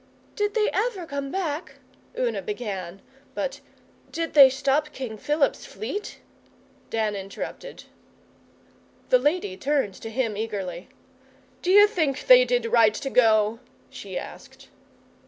'Did they ever come back?' Una began; but 'Did they stop King Philip's fleet?' Dan interrupted. The lady turned to him eagerly. 'D'you think they did right to go?' she asked.